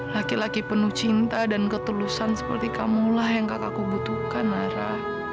laki laki penuh cinta dan ketulusan seperti kamulah yang kakakku butuhkan nara